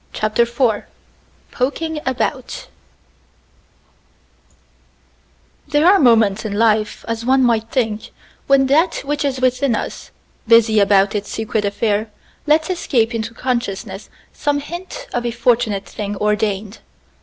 CHAPTER IV POKING ABOUT There are moments in life, as one might think, when that which is within us, busy about its secret affair, lets escape into consciousness some hint of a fortunate thing ordained.